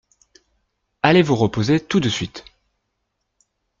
Allez vous reposer tout de suite…